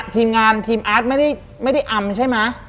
ทีมงานทีมอาร์ตไม่ได้อำใช่ไหม